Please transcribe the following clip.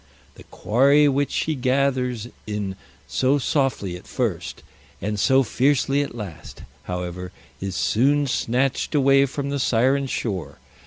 The quarry which she gathers in so softly at first and so fiercely at last, however, is soon snatched away from the siren shore.